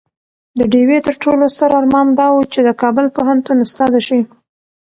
د ډيوې تر ټولو ستر ارمان دا وو چې د کابل پوهنتون استاده شي